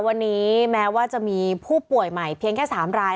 วันนี้แม้ว่าจะมีผู้ป่วยใหม่เพียงแค่๓ราย